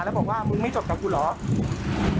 แล้วบอกว่ามึงไม่จดกับกูเหรอ